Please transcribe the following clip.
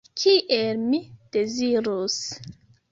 Kiel mi dezirus.